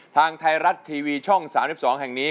ทางไทยรัฐทีวีช่อง๓๒แห่งนี้